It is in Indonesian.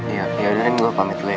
iya udah deh gue pamit lo ya